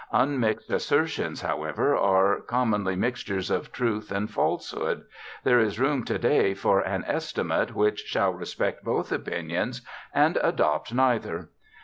Unmixed assertions, however, are commonly mixtures of truth and falsehood; there is room to day for an estimate which shall respect both opinions and adopt neither.